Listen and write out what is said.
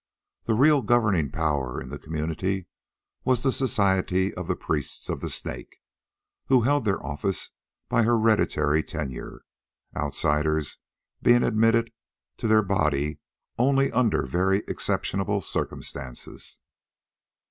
The real governing power in the community was the Society of the Priests of the Snake, who held their office by hereditary tenure, outsiders being admitted to their body only under very exceptional circumtances.